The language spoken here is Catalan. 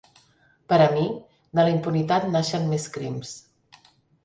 Per a mi, de la impunitat, naixen més crims.